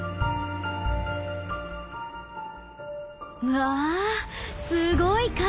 うわすごい数！